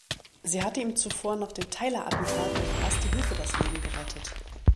Sie hatte ihm zuvor nach dem Tyler-Attentat durch Erste Hilfe das Leben gerettet.